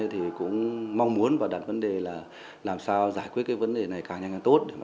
thì cũng mong muốn và đặt vấn đề là làm sao giải quyết cái vấn đề này càng nhanh càng tốt